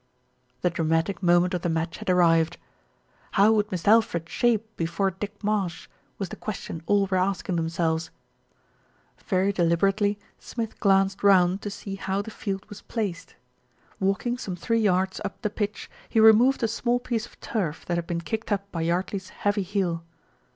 The dramatic moment of the match had arrived. How would Mist' Alfred shape before Dick Marsh? was the question all were asking themselves. Very deliberately Smith glanced round to see how the field was placed. Walking some three yards up the pitch, he removed a small piece of turf that had been kicked up by Yardley's heavy heel.